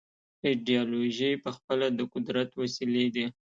ایدیالوژۍ پخپله د قدرت وسیلې دي.